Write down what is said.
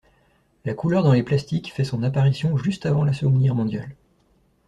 La couleur dans les plastiques fait son apparition juste avant la Seconde Guerre mondiale.